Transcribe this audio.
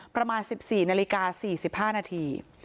ประมาณ๑๔นาฬิกา๔๕นาที